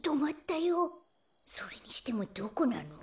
それにしてもどこなの？